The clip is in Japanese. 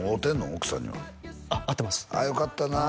奥さんには会ってますああよかったなあ